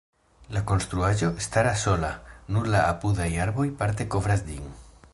La konstruaĵo staras sola, nur la apudaj arboj parte kovras ĝin.